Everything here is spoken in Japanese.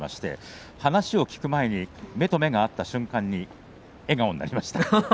話を聞く前に目と目が合った瞬間に笑顔になりました。